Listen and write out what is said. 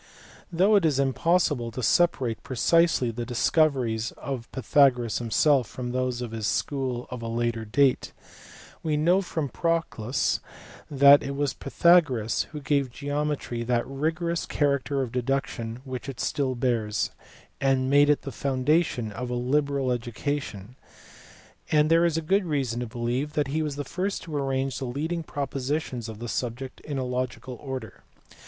Though it is impossible to separate precisely the discoveries of Pythagoras himself from those of his school of a later date, we know from Proclus that it was Pythagoras who gave PYTHAGORAS. 23 geometry that rigorous character of deduction which it still bears, and made it the foundation of a liberal education; and there is good reason to believe that he was the first to arrange the leading propositions of the subject in a logical order.